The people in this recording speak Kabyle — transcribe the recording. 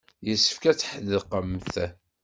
Yessefk ad tḥedqemt.